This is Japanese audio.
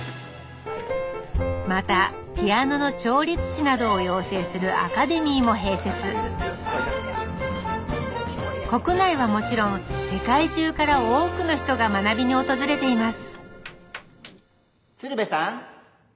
またピアノの調律師などを養成する国内はもちろん世界中から多くの人が学びに訪れています